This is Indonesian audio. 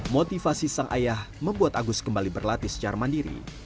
motivasi sang ayah membuat agus kembali berlatih secara mandiri